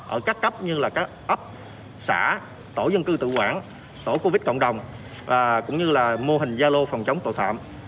ở các cấp như là các ấp xã tổ dân cư tự quản tổ covid cộng đồng cũng như là mô hình gia lô phòng chống tổ phạm